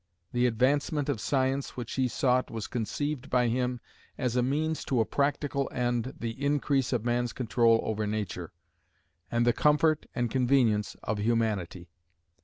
The advancement of science which he sought was conceived by him as a means to a practical end the increase of man's control over nature, and the comfort and convenience of humanity.